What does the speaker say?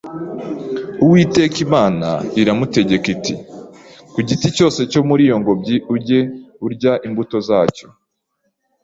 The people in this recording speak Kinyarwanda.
“Uwiteka Imana iramutegeka iti: ‘Ku giti cyose cyo muri iyo ngobyi ujye urya imbuto zacyo